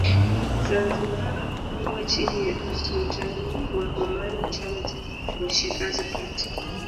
Zanzibar kuwa chini ya Usultani wa Omani Chama cha Afro Shirazi Party